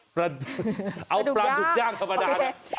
ปลาดุกย่างเอาปลาดุกย่างธรรมดานะ